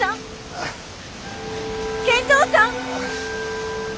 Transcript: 賢三さん！